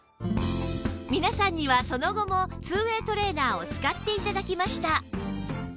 皆さんにはその後も ２ＷＡＹ トレーナーを使って頂きました